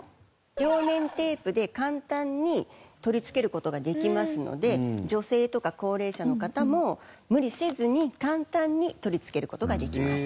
両面テープで簡単に取り付ける事ができますので女性とか高齢者の方も無理せずに簡単に取り付ける事ができます。